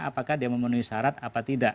apakah dia memenuhi syarat apa tidak